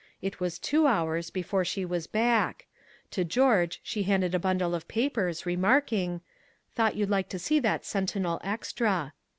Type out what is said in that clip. It was two hours before she was back. To George she handed a bundle of papers, remarking: "Thought you'd like to see that Sentinel extra."